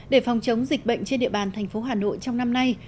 để phòng chống dịch bệnh trên địa bàn thành phố hà nội trong năm nay